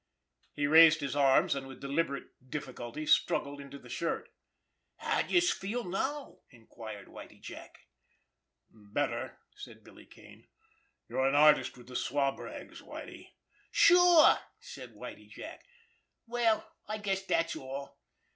He raised his arms, and with deliberate difficulty struggled into the shirt. "How d'youse feel now?" inquired Whitie Jack. "Better," said Billy Kane. "You're an artist with the swab rags, Whitie." "Sure!" said Whitie Jack. "Well, I guess dat's all.